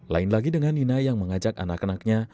lain lagi dengan nina yang mengajak anak anaknya